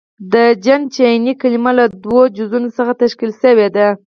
• د جن چیني کلمه له دوو جزونو څخه تشکیل شوې ده.